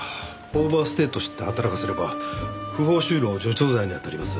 オーバーステイと知って働かせれば不法就労助長罪に当たります。